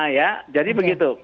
ya jadi begitu